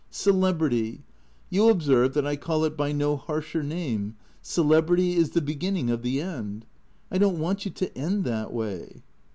Celebrity — you observe that I call it by no harsher name — celebrity is the beginning of the end. I don't want you to end that way."